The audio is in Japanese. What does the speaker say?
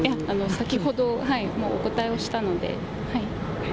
先ほど、もうお答えをしたので。